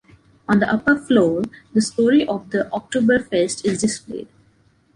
On the upper floor, the story of the Oktoberfest is displayed.